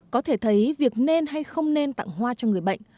có thể thấy việc nên hay không nên tặng hoa cho người bệnh